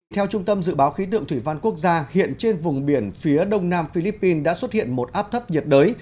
theo trung tâm dự báo khí tượng thủy văn quốc gia hiện trên vùng biển phía đông nam philippines đã xuất hiện một áp thấp nhiệt đới